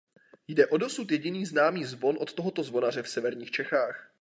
Jde o dosud jediný známý zvon od tohoto zvonaře v severních Čechách.